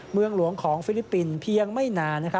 เมืองหลวงของฟิลิปปินส์เพียงไม่นาน